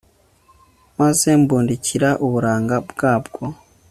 maze mbukundira uburanga bwabwo